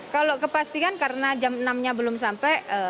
kalau kepastian karena jam enam nya belum sampai